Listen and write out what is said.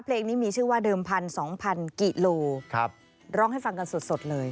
เพลงนี้มีชื่อว่าเดิมพันสองพันกิโลร้องให้ฟังกันสดเลย